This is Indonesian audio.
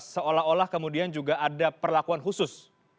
seolah olah kemudian juga ada perlakuan khusus